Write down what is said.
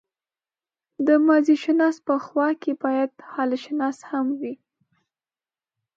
د ماضيشناس په خوا کې بايد حالشناس هم وي.